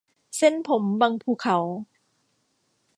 เส้นผมบังภูเขา